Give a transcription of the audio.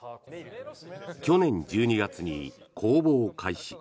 去年１２月に公募を開始。